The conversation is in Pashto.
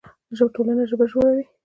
ټولنه ژبه جوړوي.